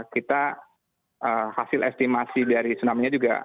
kita hasil estimasi dari tsunami nya juga